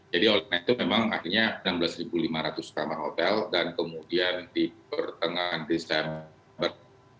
jadi oleh itu memang akhirnya enam belas lima ratus kamar hotel dan kemudian di pertengahan desember